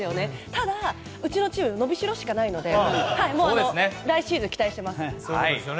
ただ、うちのチーム伸びしろしかないので来シーズンに期待しています。